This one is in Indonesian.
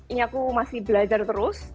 ini aku masih belajar terus